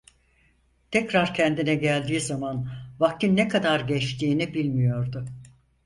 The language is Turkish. Tekrar kendine geldiği zaman, vaktin ne kadar geçtiğini bilmiyordu.